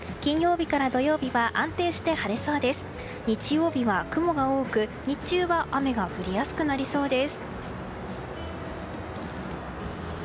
日曜日は雲が多く日中は雨が降りやすくなりそうです。